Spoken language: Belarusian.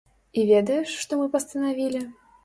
І ведаеш, што мы пастанавілі?